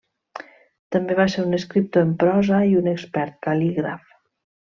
També va ser un escriptor en prosa i un expert cal·lígraf.